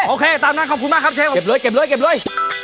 โอเคตามนั้นขอบคุณมากครับเชฟเก็บเลย